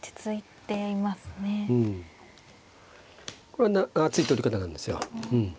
これは厚い取り方なんですよ。